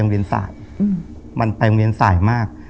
โรงเรียนสายเหมือนไปโรงเรียนสายมาก